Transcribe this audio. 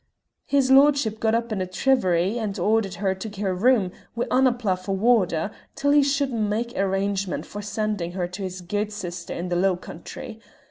His lordship got up in a tirravee and ordered her to her room, wi' Annapla for warder, till he should mak' arrangements for sending her to his guid sister's in the low country.